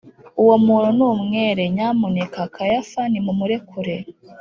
uwo muntu ni umwere; nyamuneka kayafa nimumurekure!